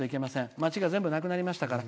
町がなくなりましたから。